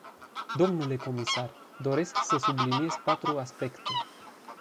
Dle comisar, doresc să subliniez patru aspecte.